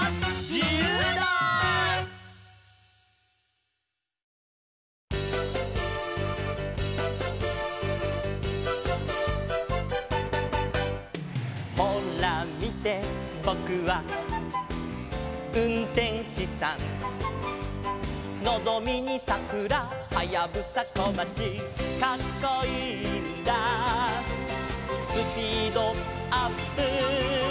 「じゆうだー！」「ほらみてボクはうんてんしさん」「のぞみにさくらはやぶさこまち」「カッコいいんだスピードアップ」